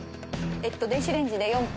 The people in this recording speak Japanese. えっと電子レンジで４分。